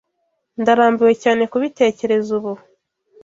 Ndarambiwe cyane kubitekereza ubu.